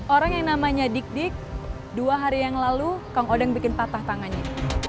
orang yang namanya dik dik dua hari yang lalu kang odeng bikin patah tangannya